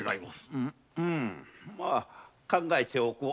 ま考えておこう。